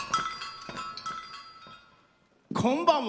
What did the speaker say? こんばんは。